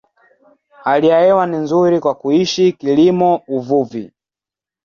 Hali ya hewa ni nzuri kwa kuishi, kilimo, uvuvi.